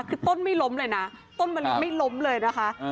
คือต้นไม่ล้มเลยนะต้นมะลิไม่ล้มเลยนะคะ